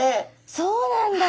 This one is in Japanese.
そうなんだ。